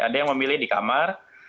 ada yang memilih di kamar